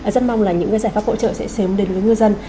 rất mong là những giải pháp hỗ trợ sẽ sớm đến với ngư dân